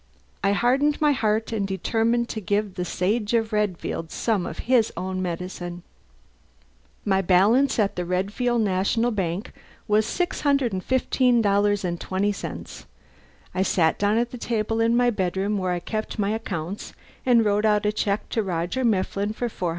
I hardened my heart and determined to give the Sage of Redfield some of his own medicine. My balance at the Redfield National Bank was $615.20. I sat down at the table in my bedroom where I keep my accounts and wrote out a check to Roger Mifflin for $400.